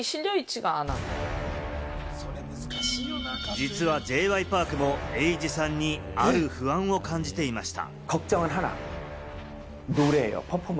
実はＪ．Ｙ．Ｐａｒｋもエイジさんにある不安を感じていました。